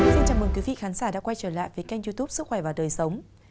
xin chào mừng quý vị khán giả đã quay trở lại với kênh youtube sức khỏe và đời sống